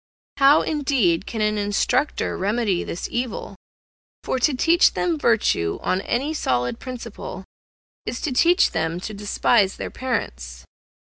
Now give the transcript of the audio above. How, indeed, can an instructor remedy this evil? for to teach them virtue on any solid principle is to teach them to despise their parents.